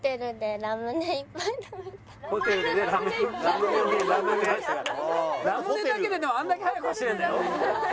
ラムネだけででもあんだけ速く走れるんだよ？